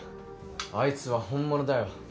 あいつは本物だよ